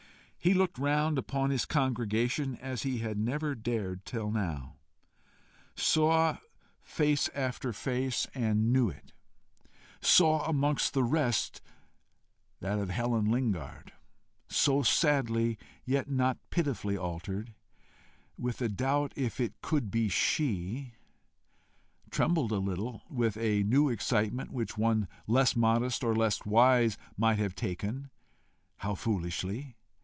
he looked round upon his congregation as he had never dared until now saw face after face, and knew it saw amongst the rest that of Helen Lingard, so sadly yet not pitifully altered, with a doubt if it could be she; trembled a little with a new excitement, which one less modest or less wise might have taken how foolishly!